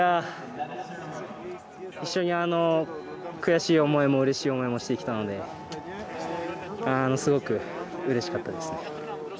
一緒に悔しい思いもうれしい思いもしてきたのですごくうれしかったです。